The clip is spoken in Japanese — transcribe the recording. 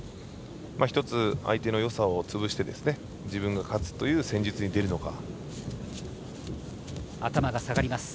１つ、相手のよさを潰して自分が勝つという戦術に出るのか。